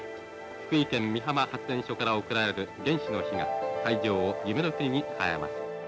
福井県美浜発電所から送られる原子の灯が会場を夢の国に変えます」。